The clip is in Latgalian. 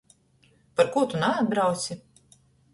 Parkū tu naatbrauci?